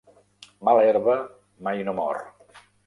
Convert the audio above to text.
Mala herba mai no mor.